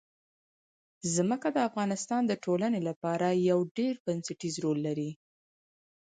ځمکه د افغانستان د ټولنې لپاره یو ډېر بنسټيز رول لري.